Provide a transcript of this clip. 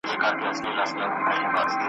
ځیني اورېدونکي به حتی سرونه ورته وښوروي `